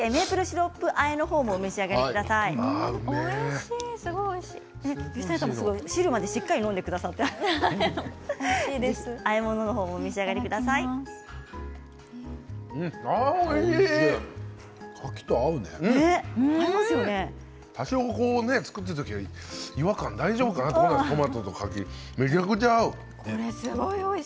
ぜひメープルシロップあえの方もお召し上がりください。